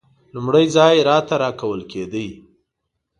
لومړی ځای راته ورکول کېدی.